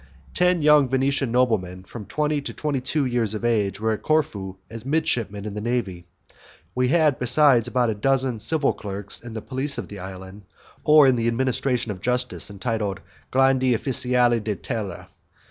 Ten young Venetian noblemen, from twenty to twenty two years of age, were at Corfu as midshipmen in the navy. We had, besides, about a dozen civil clerks in the police of the island, or in the administration of justice, entitled 'grandi offciali di terra'.